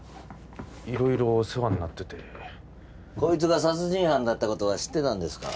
色々お世話になっててこいつが殺人犯だったことは知ってたんですか？